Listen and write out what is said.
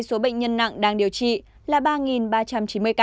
số bệnh nhân nặng đang điều trị là ba ba trăm chín mươi ca